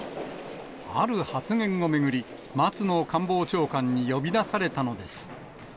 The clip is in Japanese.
ある発言を巡り、松野官房長官に呼び出されたのです。